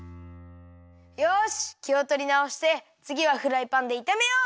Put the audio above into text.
よしきをとりなおしてつぎはフライパンでいためよう！